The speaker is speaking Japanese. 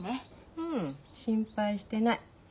うん心配してない。